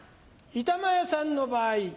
板前さんの場合。